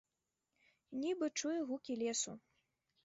Нібы чуе гукі лесу.